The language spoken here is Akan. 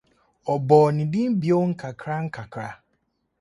Ɔbɔɔ ne din bio nkakrankakra.